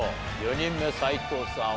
４人目斎藤さん